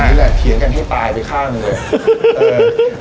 อันนี้แหละเถียงกันให้ตายไปฆ่ามันด้วย